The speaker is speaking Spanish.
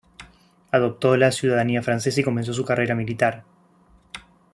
Adoptó la ciudadanía francesa y comenzó su carrera militar.